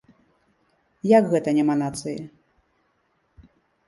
Як гэта няма нацыі?!